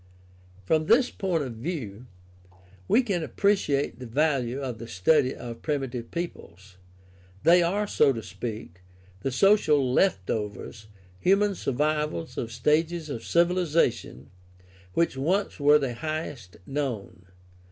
From this point of view we can appreciate the value of the study of primitive peoples. They are, so to speak, the social left overs, human survivals of stages of civilization which once were the highest known.